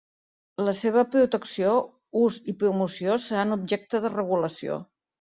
La seva protecció, ús i promoció seran objecte de regulació.